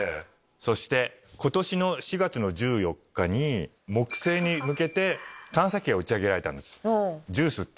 そして今年の４月の１４日に木星に向けて探査機を打ち上げられたんです。